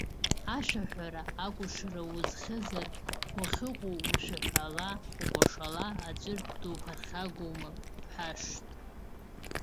Ашәаҳәара, акәашара уазхьызар, уахьыҟоу ушәаҳәала, укәашала, аӡәыр дуԥырхагоума бҳәашт.